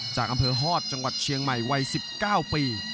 จากอำเภอฮอตจังหวัดเชียงใหม่วัย๑๙ปี